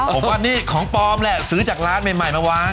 ผมว่านี่ของปลอมแหละซื้อจากร้านใหม่มาวาง